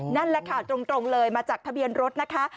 นั่นแหละค่ะตรงเลยมาจากทะเบียนรถนะคะ